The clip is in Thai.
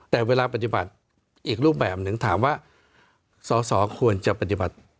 แต่เวลาปฏิบัติอีกรูปแบบหนึ่งถามว่าสอสอควรจะปฏิบัติ